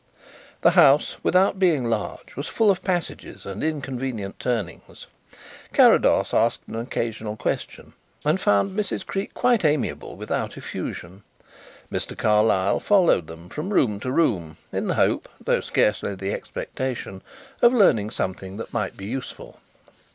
The house, without being large, was full of passages and inconvenient turnings. Carrados asked an occasional question and found Mrs. Creake quite amiable without effusion. Mr. Carlyle followed them from room to room in the hope, though scarcely the expectation, of learning something that might be useful.